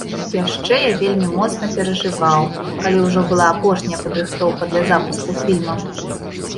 Яшчэ я вельмі моцна перажываў, калі ўжо была апошняя падрыхтоўка для запуску фільма.